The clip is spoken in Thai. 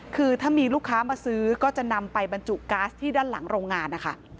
คือถ้ามีลูกค้ามาซื้อก็จะนำไปบรรจุก๊าซที่ด้านหลังโรงงานนะคะ